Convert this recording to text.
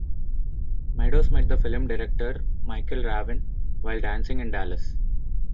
Meadows met the film director Michael Raven while dancing in Dallas.